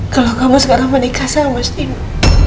kalau kamu sekarang menikah sama si nenek